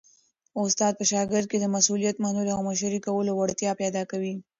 استاد په شاګرد کي د مسؤلیت منلو او مشرۍ کولو وړتیا پیدا کوي.